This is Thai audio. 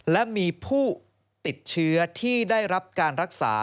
และมีผู้ติดเชื้อที่ได้รับการรักษา